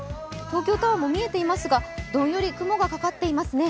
東京タワーも見えていますがどんより雲がかかっていますね。